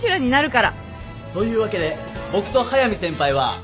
そういうわけで僕と速見先輩は。